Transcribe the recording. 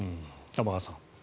玉川さん。